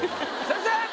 先生！